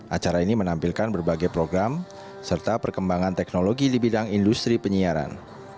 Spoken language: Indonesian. acara ini menampilkan berbagai program serta perkembangan teknologi di bidang industri penyiaran